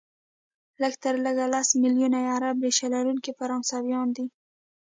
لږ تر لږه لس ملیونه یې عرب ریشه لرونکي فرانسویان دي،